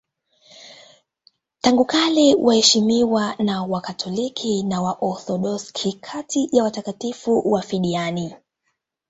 Tangu kale wanaheshimiwa na Wakatoliki na Waorthodoksi kati ya watakatifu wafiadini.